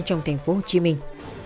trong thành phố hồ chí minh